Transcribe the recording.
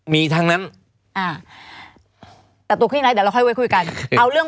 มีทั้งนั้น